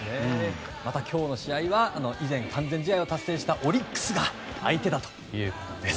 今日の試合は以前、完全試合を達成したオリックスが相手だということです。